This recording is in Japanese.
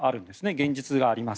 現実があります。